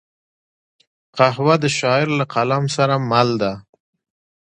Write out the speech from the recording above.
قهوه د شاعر له قلم سره مل ده